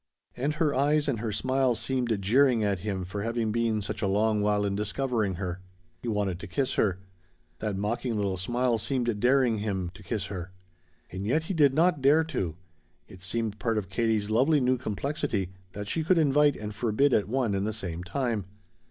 And her eyes and her smile seemed jeering at him for having been such a long while in discovering her. He wanted to kiss her. That mocking little smile seemed daring him to kiss her. And yet he did not dare to. It seemed part of Katie's lovely new complexity that she could invite and forbid at one and the same time.